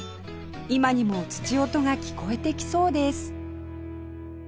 今にもつち音が聞こえてきそうです